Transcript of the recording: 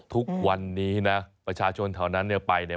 ทุกวันนี้นะประชาชนแถวนั้นเนี่ยไปเนี่ย